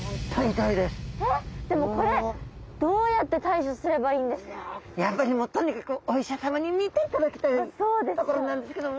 えっでもこれやっぱりもうとにかくお医者さまに診ていただきたいところなんですけども。